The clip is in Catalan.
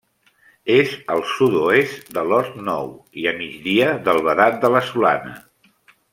És al sud-oest de l'Hort Nou i a migdia del Vedat de la Solana.